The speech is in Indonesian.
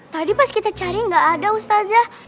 tadi pas kita cari nggak ada ustazah